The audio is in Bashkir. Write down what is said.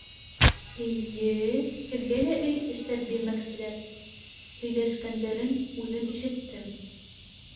Эй- йе-е-е... һеҙгә лә өй эштәп бирмәкселәр, һөйҙәшкәндәрен үҙем ишеттем.